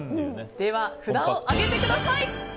では札を上げてください。